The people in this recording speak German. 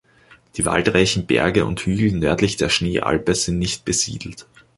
Die waldreichen Berge und Hügel nördlich der Schneealpe sind nicht besiedelt.